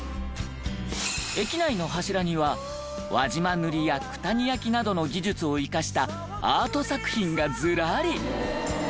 駅内の柱には輪島塗や九谷焼などの技術を生かしたアート作品がずらり。